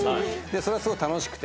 それがすごい楽しくて。